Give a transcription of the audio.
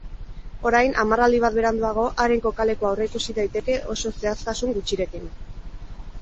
Orain, hamarraldi bat beranduago, haren kokalekua aurreikusi daiteke oso zehaztasun gutxirekin.